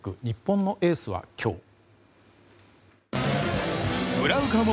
日本のエースは今日。